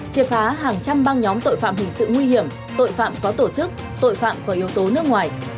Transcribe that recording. triệt phá hàng trăm băng nhóm tội phạm hình sự nguy hiểm tội phạm có tổ chức tội phạm có yếu tố nước ngoài